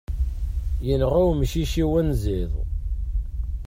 Yenɣa umcic-iw anziḍ.